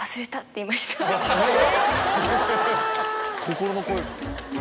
心の声が。